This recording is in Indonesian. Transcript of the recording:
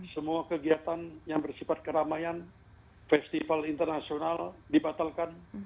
semua kegiatan yang bersifat keramaian festival internasional dibatalkan